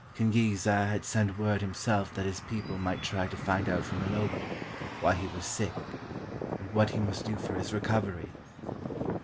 Quengueza had sent word himself that his people must try to find out from Ilogo why he was sick, and what he must do for his recovery.